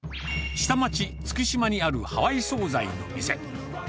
下町、月島にあるハワイ総菜の店。